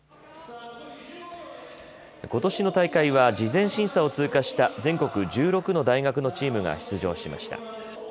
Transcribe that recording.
ことしの大会は事前審査を通過した全国１６の大学のチームが出場しました。